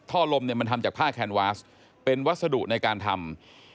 ลมเนี่ยมันทำจากผ้าแคนวาสเป็นวัสดุในการทำ